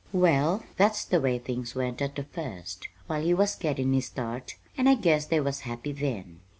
"Well, that's the way things went at the first, while he was gettin' his start, and I guess they was happy then.